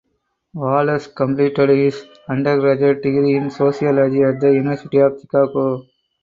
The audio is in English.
Wallace completed his undergraduate degree in sociology at the University of Chicago.